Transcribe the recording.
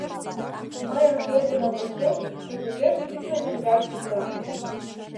Мыйын шотлымо почеш, кызытеш витле меҥгат сита.